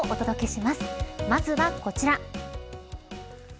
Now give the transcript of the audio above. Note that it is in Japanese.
まずは、こちら。